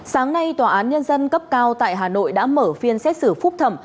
sáng nay tòa án nhân dân cấp cao tại hà nội đã mở phiên xét xử phúc thẩm